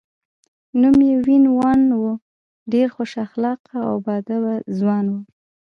نوم یې وین وون و، ډېر خوش اخلاقه او با ادبه ځوان و.